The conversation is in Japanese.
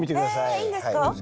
えいいんですか？